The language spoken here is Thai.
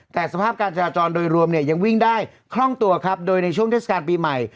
แต่สภาพการจราจรโดยรวมเนี่ยยังวิ่งได้คล่องตัวครับโดยในช่วงเทศกาลปีใหม่